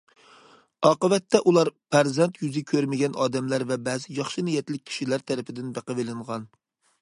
ئاقىۋەتتە ئۇلار پەرزەنت يۈزى كۆرمىگەن ئادەملەر ۋە بەزى ياخشى نىيەتلىك كىشىلەر تەرىپىدىن بېقىۋېلىنغان.